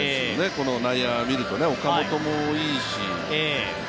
この内野を見ると、岡本もいいし。